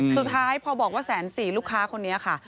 สุดท้ายพอบอกว่าแสนสี่ลูกค้าคนนี้ค่ะ